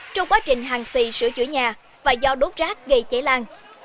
trong quá trình hàng xì sửa chữa nhà và do đốt rác gây cháy lan